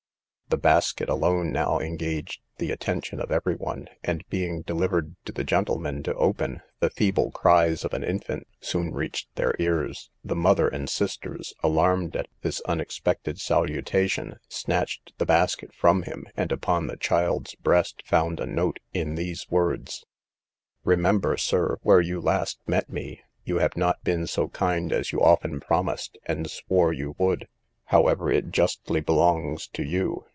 The basket alone now engaged the attention of every one, and being delivered to the gentleman to open, the feeble cries of an infant soon reached their ears. The mother and sisters, alarmed at this unexpected salutation, snatched the basket from him, and upon the child's breast found a note in these words: "Remember, sir, where you last met me, you have not been so kind as you often promised and swore you would: however, it justly belongs to you.